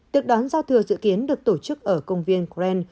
tược đoán giao thừa dự kiến được tổ chức ở công viên grand